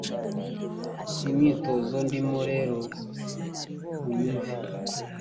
Simyitozo ndimo rero unyumve